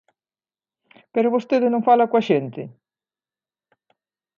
¿Pero vostede non fala coa xente?